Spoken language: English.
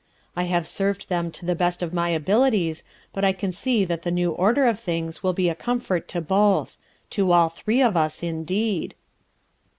I have served them to the best of my abilities, but I can see that the new order of things will be a comfort to both; to all three of us indeed."